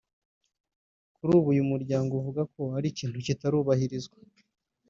Kuri ubu uyu muryango uvuga ko ari ikintu kitarubahirizwa